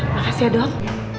makasih ya dong